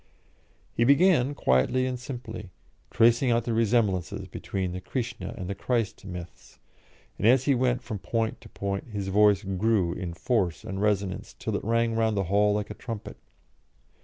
He began quietly and simply, tracing out the resemblances between the Krishna and the Christ myths, and as he went from point to point his voice grew in force and resonance, till it rang round the hall like a trumpet.